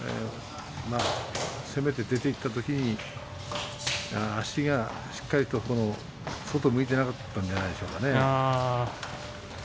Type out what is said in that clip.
攻めて出ていったときに足がしっかりと外を向いていなかったんじゃないでしょうかね。